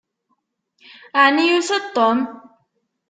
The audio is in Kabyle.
Ɛni yusa-d Tom?